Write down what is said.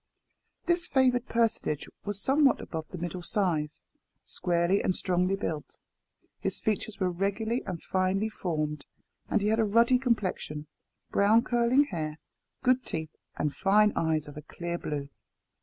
This favoured personage was somewhat above the middle Size, squarely and strongly built. His features were regularly and finely formed, and he had a ruddy complexion, brown curling hair, good teeth, and fine eyes of a clear blue.